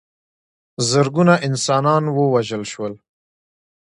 زرګونه انسانان ووژل شول.